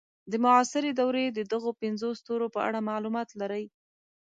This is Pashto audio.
د معاصرې دورې د دغو پنځو ستورو په اړه معلومات لرئ.